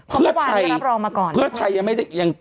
เพื่อไทยรับรองมาก่อนเพื่อไทยยังไม่ได้ยัง